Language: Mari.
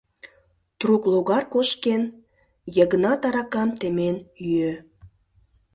Трук логар кошкен, Йыгнат аракам темен йӱӧ.